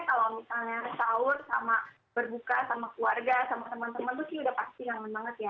kalau misalnya sahur sama berbuka sama keluarga sama teman teman tuh sih udah pasti kangen banget ya